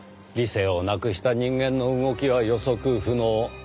理性をなくした人間の動きは予測不能。